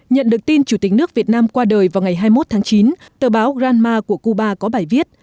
nhận được tin chủ tịch nước việt nam qua đời vào ngày hai mươi một tháng chín tờ báo granma của cuba có bài viết